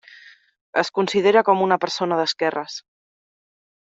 Es considera com s una persona d'esquerres.